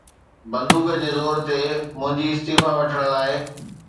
بندوق جي زور تي منهنجي استعيفيٰ وٺڻ لاءِ